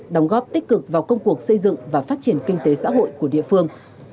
đóng góp tích cực vào công cuộc xây dựng và phát triển kinh tế xã hội của địa phương